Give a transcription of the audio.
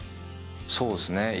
そうっすね。